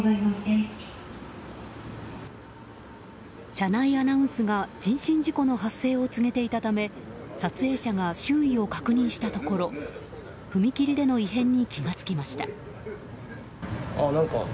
車内アナウンスが人身事故の発生を告げていたため撮影者が周囲を確認したところ踏切での異変に気が付きました。